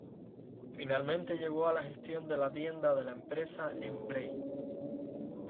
Finalmente llegó a la gestión de la tienda de la empresa en Bray.